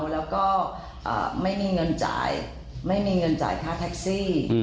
แล้วก็ไม่มีเงินจ่ายไม่มีเงินจ่ายค่าแท็กซี่